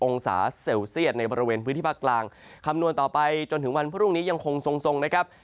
องศาเซลเซียตในบริเวณพื้นที่ภาคกลางคำนวณต่อไปจนถึงวันพรุ่งนี้ยังคงทรงทรงนะครับ